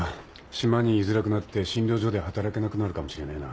島に居づらくなって診療所で働けなくなるかもしれねえな。